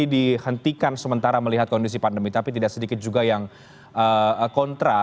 dihentikan sementara melihat kondisi pandemi tapi tidak sedikit juga yang kontra